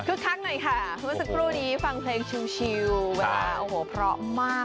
คักหน่อยค่ะเมื่อสักครู่นี้ฟังเพลงชิวเวลาโอ้โหเพราะมาก